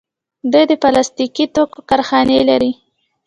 دوی د پلاستیکي توکو کارخانې لري.